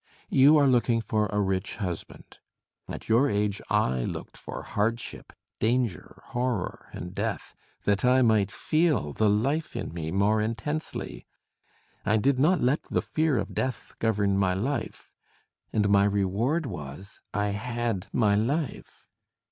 You are looking for a rich husband. At your age I looked for hardship, danger, horror, and death, that I might feel the life in me more intensely. I did not let the fear of death govern my life; and my reward was, I had my life.